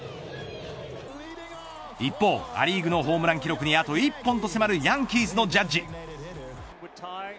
一方、ア・リーグのホームラン記録にあと１本と迫るヤンキースのジャッジ。